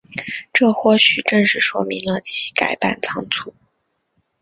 这或许正是说明了其改版仓促。